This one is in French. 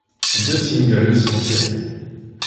Deux singles sont tirés.